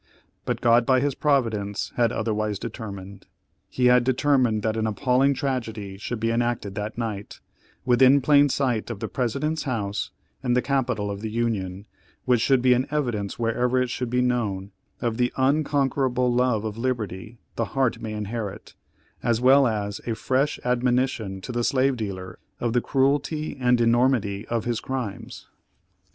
But God by his Providence had otherwise determined. He had determined that an appalling tragedy should be enacted that night, within plain sight of the President's house and the capitol of the Union, which should be an evidence wherever it should be known, of the unconquerable love of liberty the heart may inherit; as well as a fresh admonition to the slave dealer, of the cruelty and enormity of his crimes.